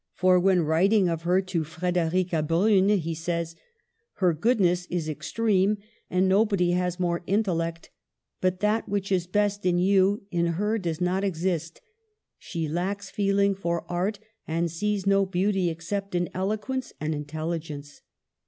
For when writing of her to Frederica Bruri, he says :" Her goodness is ex treme, and nobody has more intellect ; but that which is best in you, in her does not exist. She lacks feeling for art, and sees no beautyexcept in eloquence and intelligence.